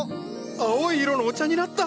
青い色のお茶になった！